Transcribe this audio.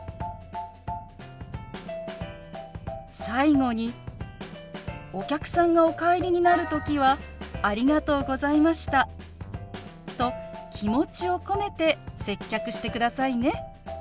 最後にお客さんがお帰りになる時は「ありがとうございました」と気持ちを込めて接客してくださいね。